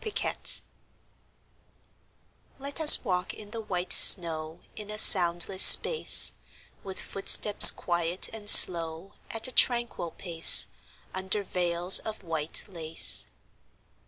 VELVET SHOES Let us walk in the white snow In a soundless space; With footsteps quiet and slow, At a tranquil pace, Under veils of white lace.